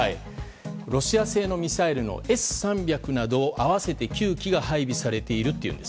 ロシア製のミサイルのＳ３００など合わせて９基が配備されているというんです。